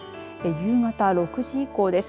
夕方６時以降です。